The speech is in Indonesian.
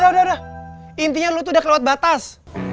eh udah udah intinya lu tuh udah lewat batas